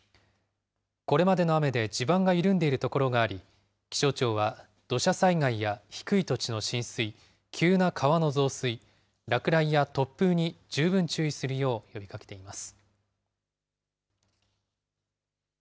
これまでの雨で地盤が緩んでいる所があり、気象庁は土砂災害や低い土地の浸水、急な川の増水、落雷や突風に十分注意するよう呼びかけています。